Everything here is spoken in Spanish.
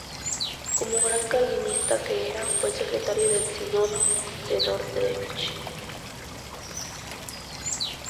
Como gran calvinista que era, fue secretario del Sínodo de Dordrecht.